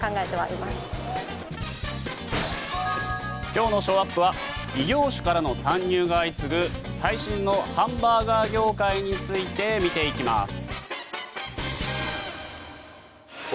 今日のショーアップは異業種からの参入が相次ぐ最新のハンバーガー業界について見ていきます。